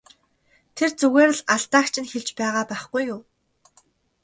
Тэр зүгээр л алдааг чинь хэлж байгаа байхгүй юу!